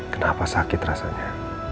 kenapa sakit rasanya